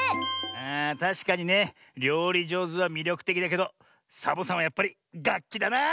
あたしかにねりょうりじょうずはみりょくてきだけどサボさんはやっぱりがっきだな！